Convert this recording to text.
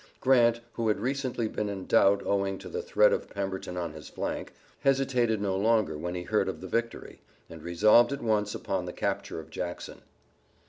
Grant, who had recently been in doubt owing to the threat of Pemberton on his flank, hesitated no longer when he heard of the victory, and resolved at once upon the capture of Jackson.